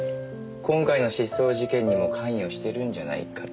今回の失踪事件にも関与してるんじゃないかって。